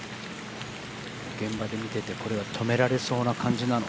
現場で見ててこれは止められそうな感じなの？